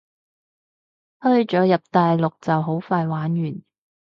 推咗入大陸就好快玩完